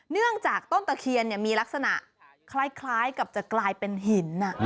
เนื่องจากต้นตะเคียนมีลักษณะคล้ายกับจะกลายเป็นหิน